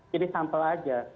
jadi sampel saja